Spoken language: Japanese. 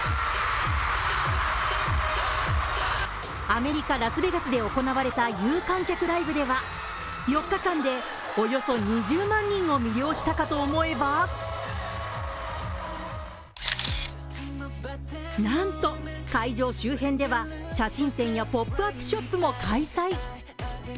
アメリカ・ラスベガスで行われた有観客ライブでは４日間で、およそ２０万人を魅了したかと思えばなんと、会場周辺では写真店やポップアップショップも開催。